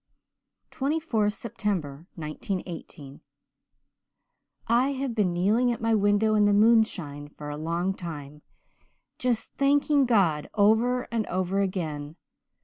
24th September 1918 "I have been kneeling at my window in the moonshine for a long time, just thanking God over and over again.